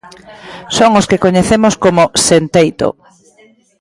Son os que coñecemos como 'sen teito'.